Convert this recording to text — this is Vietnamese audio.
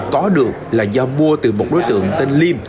có được là do mua từ một đối tượng tên liêm